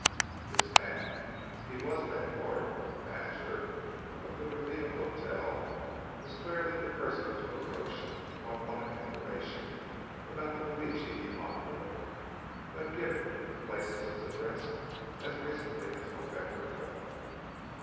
This man, if he was landlord, or manager, of the Ravenna Hotel, was clearly the person to approach if one wanted information about the Luigi Dimambro who had given the place as his address as recently as November 12th.